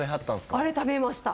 あれ食べました